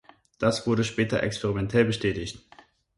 Das wurde später experimentell bestätigt.